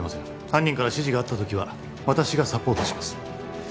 犯人から指示があった時は私がサポートします